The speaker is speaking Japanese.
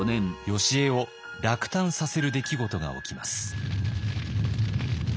よしえを落胆させる出来事が起きます。